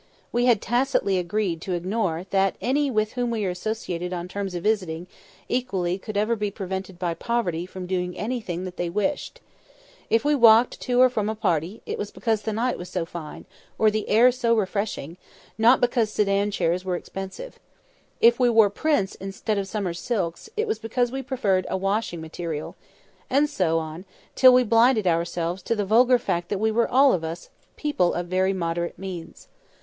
We had tacitly agreed to ignore that any with whom we associated on terms of visiting equality could ever be prevented by poverty from doing anything that they wished. If we walked to or from a party, it was because the night was so fine, or the air so refreshing, not because sedan chairs were expensive. If we wore prints, instead of summer silks, it was because we preferred a washing material; and so on, till we blinded ourselves to the vulgar fact that we were, all of us, people of very moderate means.